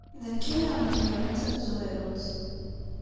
D nekk ay awen-d-yuran d tamezwarut.